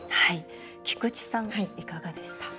菊地さん、いかがでした？